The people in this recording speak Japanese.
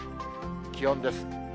気温です。